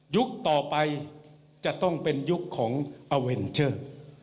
ต่อไปจะต้องเป็นยุคของอเวนเชอร์